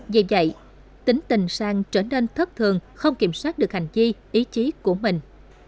vì vậy tính tình sang trở nên thất thường không kiểm soát được hành chi ý chí của mình